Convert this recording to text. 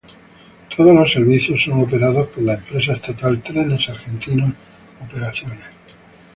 Todos los servicios son operados por la empresa estatal Trenes Argentinos Operaciones.